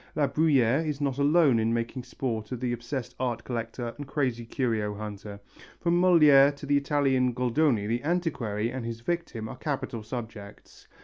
La Bruyère is not alone in making sport of the obsessed art collector and crazy curio hunter. From Molière to the Italian Goldoni the antiquary and his victim are capital subjects.